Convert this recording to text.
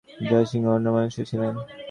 জয়সিংহ অন্যমনস্ক ছিলেন।